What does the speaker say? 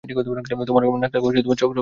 তোমার নাকটাও চকচকে লাগছে।